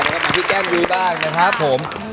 แล้วก็มาที่แก้มรู้บ้างนะครับผม